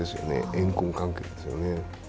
怨恨関係ですよね。